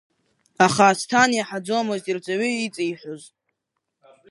Аха Асҭан иаҳаӡомызт ирҵаҩы иҵеиҳәоз.